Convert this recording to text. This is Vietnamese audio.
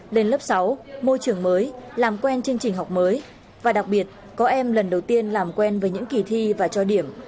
lên lớp sáu môi trường mới làm quen chương trình học mới và đặc biệt có em lần đầu tiên làm quen với những kỳ thi và cho điểm